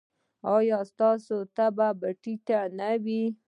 ایا ستاسو تبه به ټیټه نه وي؟